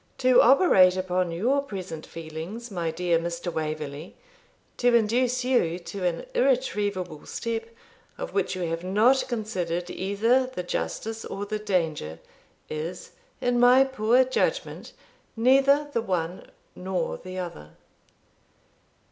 To operate upon your present feelings, my dear Mr. Waverley, to induce you to an irretrievable step, of which you have not considered either the justice or the danger, is, in my poor judgment, neither the one nor the other.'